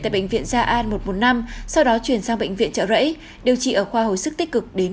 bệnh viện gia an một năm sau đó chuyển sang bệnh viện chợ rẫy điều trị ở khoa hồi sức tích cực đến